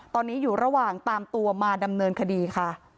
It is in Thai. ตอนนี้อยู่ระหว่างตามตัวมาดำเนินคดีค่ะ